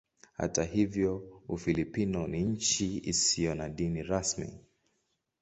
Hata hivyo Ufilipino ni nchi isiyo na dini rasmi.